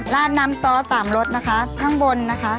ราดน้ำซอสสามรสนะคะข้างบนนะคะ